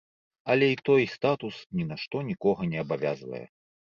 Але й той статус ні на што нікога не абавязвае!